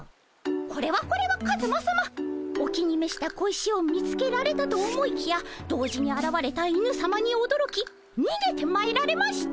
これはこれはカズマさまお気に召した小石を見つけられたと思いきや同時にあらわれた犬さまにおどろきにげてまいられました。